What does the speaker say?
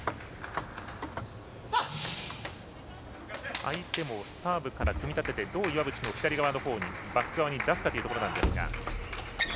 相手もサーブから組み立ててどう岩渕の左側、バック側に出すかというところ。